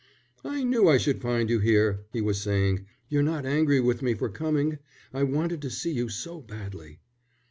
"I knew I should find you here," he was saying. "You're not angry with me for coming? I wanted to see you so badly."